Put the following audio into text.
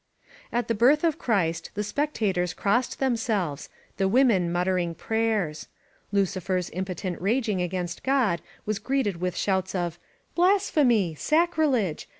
At the birth of Christ the spectators crossed them selves, the women muttering prayers. Lucifer's impo tent raging against God was greeted with shouts of "Blasphemy! Sacrilege!